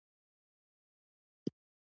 اوړي د افغانستان د کلتوري میراث برخه ده.